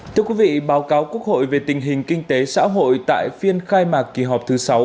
thưa quý vị báo cáo quốc hội về tình hình kinh tế xã hội tại phiên khai mạc kỳ họp thứ sáu